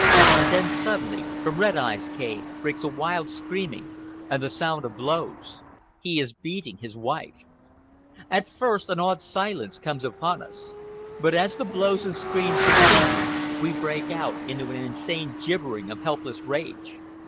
And then, suddenly, from Red Eye's cave, breaks a wild screaming and the sound of blows. He is beating his wife. At first an awed silence comes upon us. But as the blows and screams continue we break out into an insane gibbering of helpless rage.